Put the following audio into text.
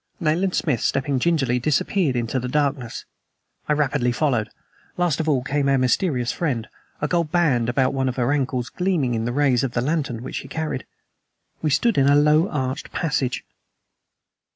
Nayland Smith, stepping gingerly, disappeared into the darkness. I rapidly followed. Last of all came our mysterious friend, a gold band about one of her ankles gleaming in the rays of the lantern which she carried. We stood in a low arched passage.